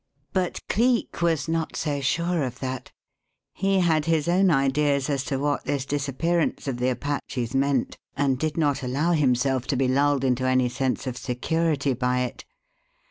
But Cleek was not so sure of that. He had his own ideas as to what this disappearance of the Apaches meant, and did not allow himself to be lulled into any sense of security by it.